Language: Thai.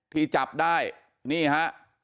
ที่จับได้นี่ฮะ